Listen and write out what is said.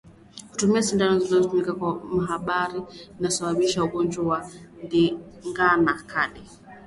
Kutumia sindano zilizotumika kwa matibabu husababisha ugonjwa wa Ndigana Kali